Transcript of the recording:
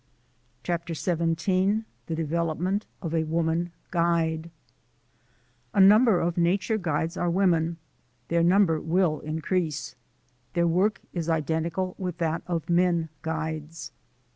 CHAPTER XVII THE DEVELOPMENT OF A WOMAN GUIDE A NUMBER of nature guides are women. Their number will increase. Their work is identical with that of men guides.